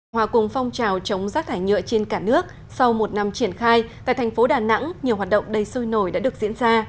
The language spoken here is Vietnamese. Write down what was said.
hòa cùng phong trào chống rác thải nhựa trên cả nước sau một năm triển khai tại thành phố đà nẵng nhiều hoạt động đầy sôi nổi đã được diễn ra